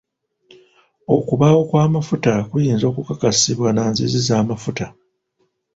Okubaawo kw'amafuta kuyinza kukakasibwa na nzizi z'amafuta.